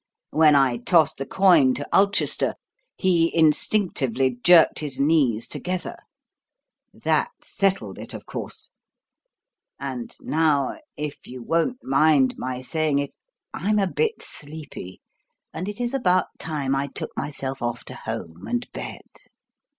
When I tossed the coin to Ulchester, he instinctively jerked his knees together. That settled it, of course. And now, if you won't mind my saying it, I'm a bit sleepy and it is about time I took myself off to home and bed."